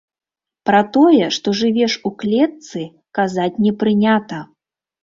Пра тое, што жывеш у клетцы, казаць не прынята.